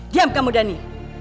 diam kamu dhani